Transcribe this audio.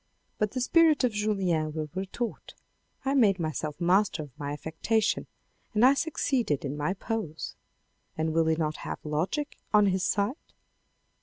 But the spirit of Julien will retort, " I made myself master of my affectation and I succeeded in my pose." And will he not have logic on his side